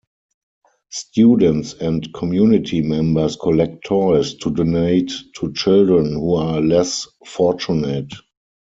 Students and community members collect toys to donate to children who are less fortunate.